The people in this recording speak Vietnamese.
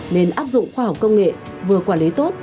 nên áp dụng khoa học công nghệ vừa quản lý tốt